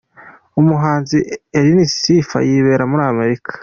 Umuhanzi Enric Sifa yibera muri Amerika.